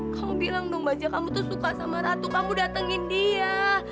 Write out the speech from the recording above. kamu bilang dong baja kamu tuh suka sama ratu kamu datengin dia